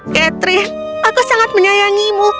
catherine aku sangat menyayangimu